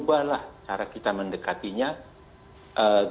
dalam tiga hari di masa pendaftaran